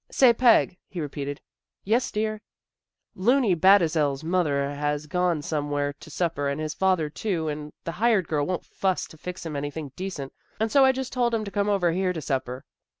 " Say, Peg," he repeated. "Yes, dear." " Looney Batezell's mother has gone some where to supper, and his father, too, and the hired girl won't fuss to fix him anything decent, and so I just told him to come over here to supper."